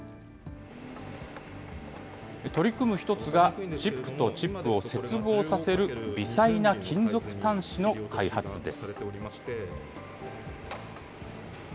取り組む一つが、チップとチップを接合させる微細な金属端子の開発です。